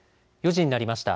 ４時になりました。